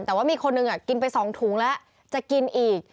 แต่ว่ามีคนหนึ่งกินไป๒ถุงแล้วจะกินอีก